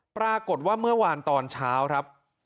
ปรากฏว่าเมื่อวานตอนเช้าครับ